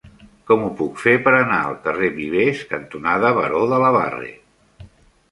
Com ho puc fer per anar al carrer Vivers cantonada Baró de la Barre?